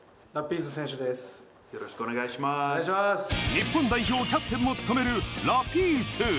日本代表キャプテンも務める、ラピース。